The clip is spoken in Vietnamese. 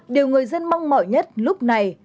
điều người dân mong mỏi nhất lúc này